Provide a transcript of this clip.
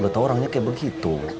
gak tau orangnya kayak begitu